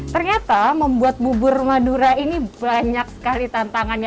ternyata membuat bubur madura ini banyak sekali tantangannya